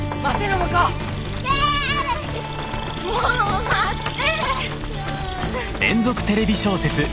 もう待って。